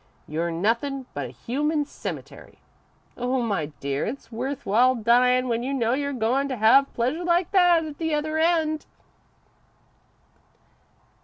You're nothin' but a human cemetery.' Oh, my dear, it's worth while dyin' when you know you're goin' to have pleasure like that at the other end!"